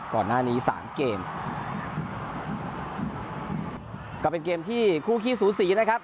ก่อนหน้านี้สามเกมก็เป็นเกมที่คู่ขี้สูสีนะครับ